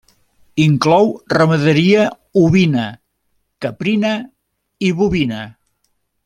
Inclou ramaderia ovina, caprina i bovina.